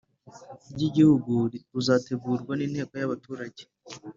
ry igihugu ruzategurwa n Inteko y Ubutungane